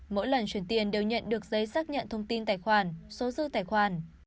mỗi lần chuyển tiền đều nhận được giấy xác nhận thông tin tài khoản số dư tài khoản